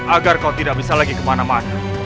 agar kau tidak bisa lagi kemana mana